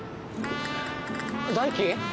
大樹？